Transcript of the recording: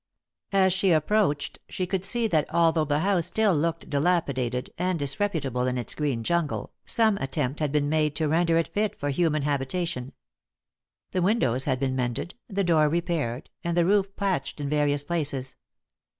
As she approached, she could see that although the house still looked dilapidated and disreputable in its green jungle, some attempt had been made to render it fit for human habitation. The windows had been mended, the door repaired, and the roof patched in various places.